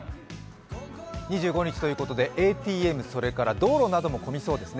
２５日ということでＡＴＭ、道路も混みそうですね。